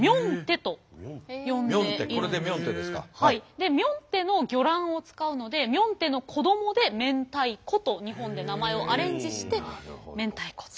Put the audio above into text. でミョンテの魚卵を使うのでミョンテの子供で明太子と日本で名前をアレンジして明太子と。